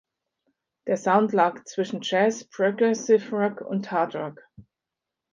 Der Sound lag zwischen Jazz, Progressive Rock und Hardrock.